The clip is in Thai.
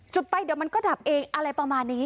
จุดไปเดี๋ยวมันก็ดับเองอะไรประมาณนี้